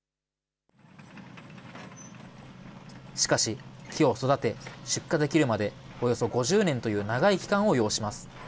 しかし、木を育て、出荷できるまでおよそ５０年という長い期間を要します。